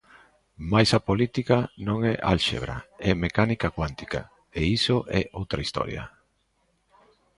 Mais a política non é álxebra, é mecánica cuántica, e iso é outra historia.